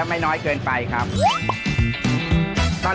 ปู่พญานาคี่อยู่ในกล่อง